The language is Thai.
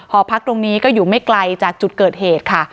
หอพักตรงนี้ก็อยู่ไม่ไกลจากจุดเกิดเหตุค่ะ